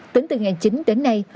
tính từ ngày chín đến nay